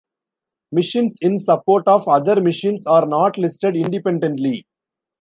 Missions in support of other missions are not listed independently.